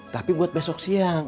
tapi buat besok siang